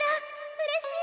うれしい！